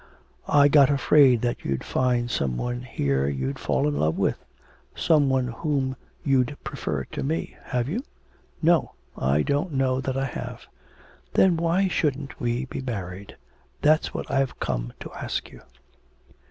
I got afraid that you'd find some one here you'd fall in love with. Some one whom you'd prefer to me. Have you?' 'No; I don't know that I have.' 'Then why shouldn't we be married? That's what I've come to ask you.'